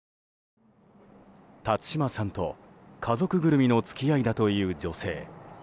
辰島さんと家族ぐるみの付き合いだという女性。